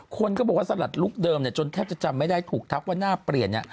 คนก็ปลูกว่าสลัดลูกเดิมจนแทบจะจำไม่ได้ถูกทัพว่าน่าเปลี่ยนนี่